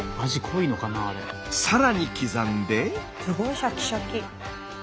すごいシャキシャキ。